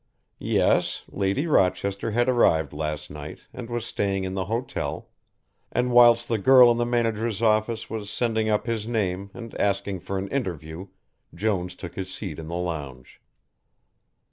Yes, Lady Rochester had arrived last night and was staying in the hotel, and whilst the girl in the manager's office was sending up his name and asking for an interview Jones took his seat in the lounge.